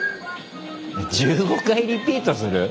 １５回リピートする？